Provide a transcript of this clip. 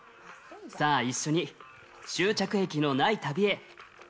さぁ一緒に終着駅のない旅へ！